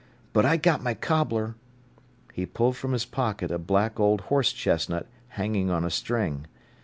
But I got my cobbler—" He pulled from his pocket a black old horse chestnut hanging on a string.